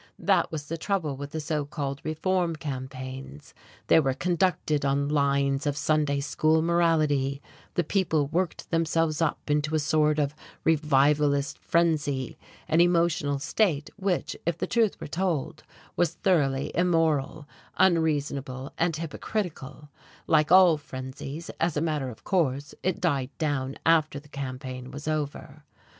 That was the trouble with the so called "reform" campaigns, they were conducted on lines of Sunday school morality; the people worked themselves up into a sort of revivalist frenzy, an emotional state which, if the truth were told, was thoroughly immoral, unreasonable and hypocritical: like all frenzies, as a matter of course it died down after the campaign was over.